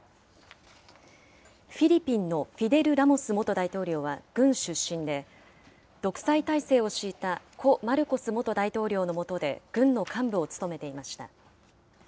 フィリピンのフィデル・ラモス元大統領は軍出身で、独裁体制を敷いた故・マルコス元大統領の下で軍の幹部を務めていました。